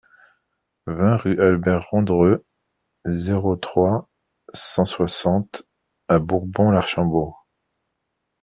vingt rue Albert Rondreux, zéro trois, cent soixante à Bourbon-l'Archambault